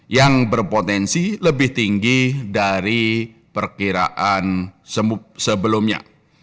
yang berpotensi lebih tinggi dari perkiraan sebelumnya